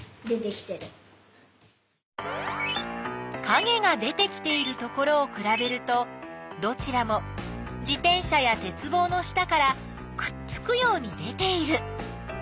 かげが出てきているところをくらべるとどちらも自転車やてつぼうの下からくっつくように出ている！